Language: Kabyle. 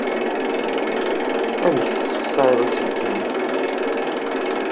Amek tessexsayeḍ aselkim-ik?